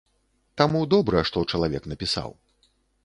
Таму добра, што чалавек напісаў.